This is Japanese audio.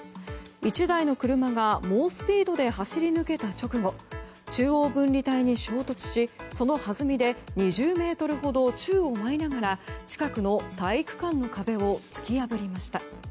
１台の車が猛スピードで走り抜けた直後中央分離帯に衝突しその弾みで２０ｍほど宙を舞いながら近くの体育館の壁を突き破りました。